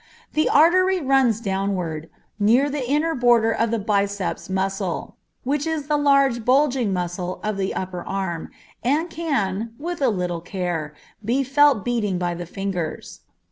The artery runs downward, near the inner border of the biceps muscle, which is the large, bulging muscle of the upper arm, and can, with a little care, be felt beating by the fingers.